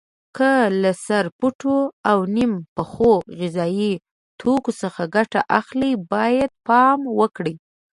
که له سرپټو او نیم پخو غذایي توکو څخه ګټه اخلئ باید پام وکړئ.